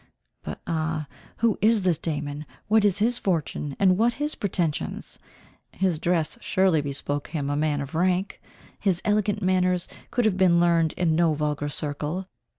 But ah! who is this Damon? What is his fortune, and what his pretensions? His dress surely bespoke him a man of rank. His elegant manners could have been learned in no vulgar circle.